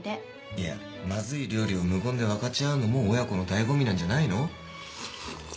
いやまずい料理を無言で分かち合うのも親子の醍醐味なんじゃないの？